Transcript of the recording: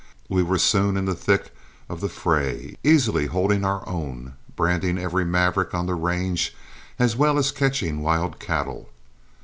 We were soon in the thick of the fray, easily holding our own, branding every maverick on the range as well as catching wild cattle.